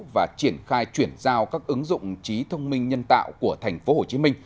và triển khai chuyển giao các ứng dụng trí thông minh nhân tạo của tp hcm